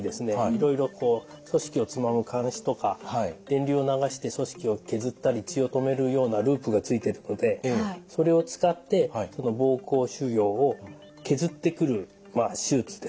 いろいろ組織をつまむ鉗子とか電流を流して組織を削ったり血を止めるようなループがついてるのでそれを使って膀胱腫瘍を削ってくる手術ですね。